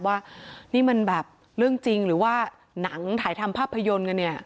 ว่านี่มันแบบเรื่องจริงหรือว่าหนังถ่ายทำภาพยนตร์กันเนี่ย